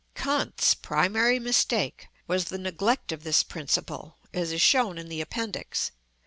Kant's primary mistake was the neglect of this principle, as is shown in the appendix.